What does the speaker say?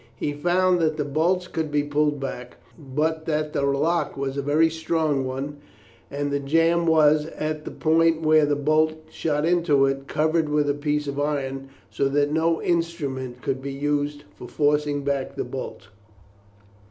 He found that the bolts could be pulled back, but that the lock was a very strong one, and the jamb was, at the point where the bolt shot into it, covered with a piece of iron, so that no instrument could be used for forcing back the bolt.